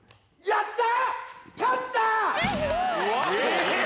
やった！